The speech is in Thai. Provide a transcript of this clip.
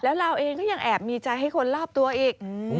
แล้วเราเองก็ยังแอบมีใจให้คนรอบตัวอีก